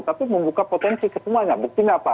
tapi membuka potensi kesemuanya buktinya apa